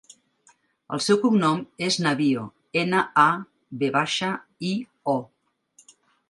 El seu cognom és Navio: ena, a, ve baixa, i, o.